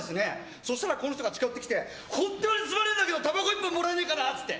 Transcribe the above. そしたら、この人が近寄ってきて本当にすまねーけどタバコ１本もらえねえかなって。